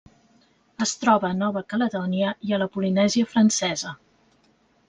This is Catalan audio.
Es troba a Nova Caledònia i a la Polinèsia Francesa.